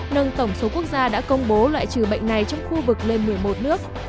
nâng tổng số quốc gia đã công bố loại trừ bệnh này trong khu vực lên một mươi một nước